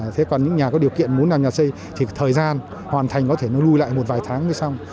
thế còn những nhà có điều kiện muốn làm nhà xây thì thời gian hoàn thành có thể nó lùi lại một vài tháng mới xong